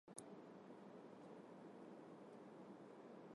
Ընդհատակյա հեղափոխական գործունեության համար նետվել է դաշնակցական բանտ։